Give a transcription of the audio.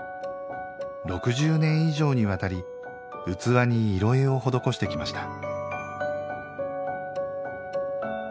６０年以上にわたり器に色絵を施してきました。